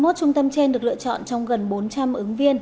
hai mươi một trung tâm trên được lựa chọn trong gần bốn trăm linh ứng viên